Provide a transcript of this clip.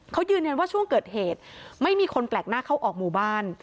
เขายืนยันว่าช่วงเกิดเหตุไม่มีคนแปลกหน้าเข้าออกหมู่บ้าน